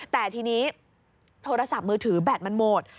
แต่ทีนี้โทรศัพท์มือถือแบตมันหมด